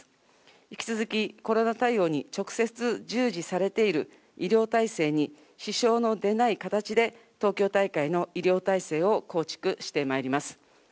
引き続きコロナ対応に直接従事されている医療体制に、支障の出ない形で、東京大会の医療体制を構築してまいります。